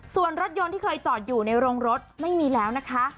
ส่วนรถยนต์ที่เคยจอดอยู่ในโรงรถไม่มีแล้วนะคะ